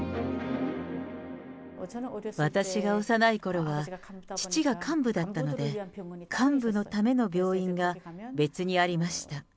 私が幼いころは、父が幹部だったので、幹部のための病院が別にありました。